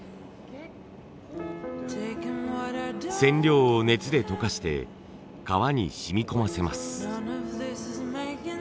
染料を熱で溶かして革に染み込ませます。